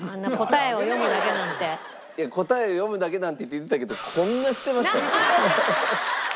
いや「答えを読むだけなんて」って言ってたけどこんなしてましたよ。